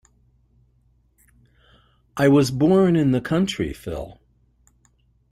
I was born in the country, Phil.